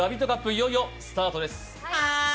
いよいよスタートです。